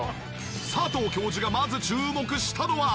佐藤教授がまず注目したのは！